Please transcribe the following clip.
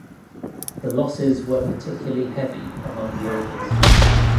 The losses were particularly heavy among the Orders.